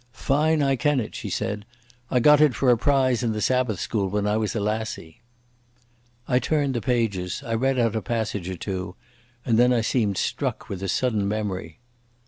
"Fine I ken it," she said. "I got it for a prize in the Sabbath School when I was a lassie." I turned the pages. I read out a passage or two, and then I seemed struck with a sudden memory.